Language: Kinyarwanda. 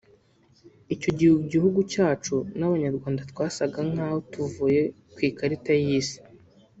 Icyo gihe igihugu cyacu n’Abanyarwanda twasaga nkaho tuvuye ku ikarita y’Isi